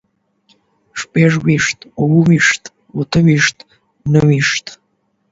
شپږ ويشت، اووه ويشت، اته ويشت، نهه ويشت